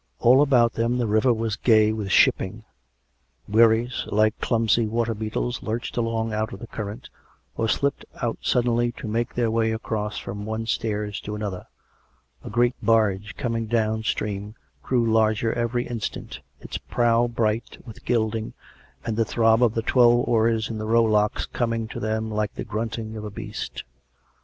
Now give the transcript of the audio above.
All about them the river was gay with shipping. Wherries, like clumsy water beetles, lurched along out of the current, or slipped out suddenly to make their way across from one stairs to an other; a great barge, coming down stream, grew larger every instant, its prow bright with gilding, and the throb of the twelve oars in the row locks coming to them like the grunting of a beast.